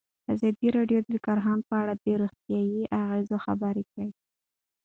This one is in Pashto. ازادي راډیو د کرهنه په اړه د روغتیایي اغېزو خبره کړې.